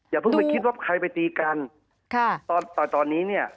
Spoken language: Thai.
อย่าเพิ่งไปคิดว่าใครไปตีกันค่ะตอนตอนนี้เนี่ย